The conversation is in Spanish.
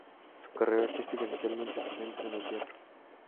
Su carrera artística, inicialmente, se centra en el teatro.